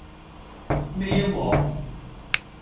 孭鑊